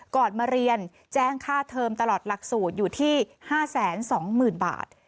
ก่อนมาเรียนแจ้งค่าเทิมตลอดหลักสูตรอยู่ที่๕๒๐๐๐บาท